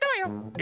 え